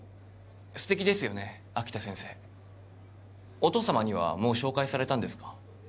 お父さまにはもう紹介されたんですか？